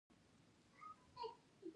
ایا زه باید کشر شم؟